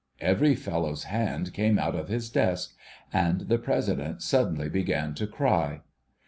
' Every fellow's hand came out of his desk, and the President suddenly began to cry.